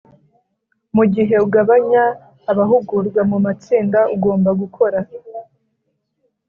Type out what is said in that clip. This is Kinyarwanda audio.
Mu gihe ugabanya abahugurwa mu matsinda ugomba gukora